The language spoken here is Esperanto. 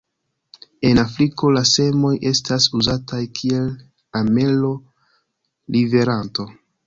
En Afriko la semoj estas uzataj kiel amelo-liveranto.